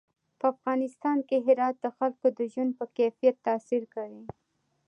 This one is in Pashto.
په افغانستان کې هرات د خلکو د ژوند په کیفیت تاثیر کوي.